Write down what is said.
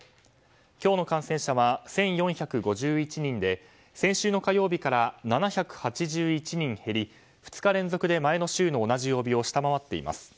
今日の感染者は１４５１人で先週の火曜日から７８１人減り２日連続で前の週の同じ曜日を下回っています。